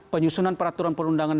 penyusunan peraturan perundangan